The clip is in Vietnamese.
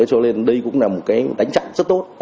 cho nên đây cũng là một cái đánh chặn rất tốt